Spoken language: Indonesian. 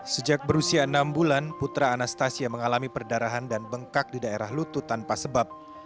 sejak berusia enam bulan putra anastasia mengalami perdarahan dan bengkak di daerah lutut tanpa sebab